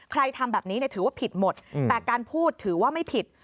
ทำแบบนี้ถือว่าผิดหมดแต่การพูดถือว่าไม่ผิด